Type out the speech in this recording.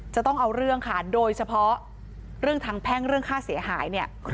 จะต้องเอาเรื่องค่ะโดยเฉพาะเรื่องทางแพ่งเรื่องค่าเสียหายเนี่ย